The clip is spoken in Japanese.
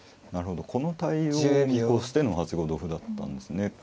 なるほどこの対応を見越しての８五同歩だったんですね。